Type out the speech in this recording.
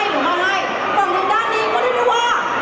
ข่องทุกด้านนี้ก็ได้รู้ว่า